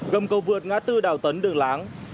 gầm cầu vượt ngã tư đảo tấn đường láng